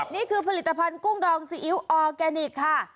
นี่คือผลิตภัณฑ์กุ้งดองซีอิ๊วออร์แกนิคค่ะ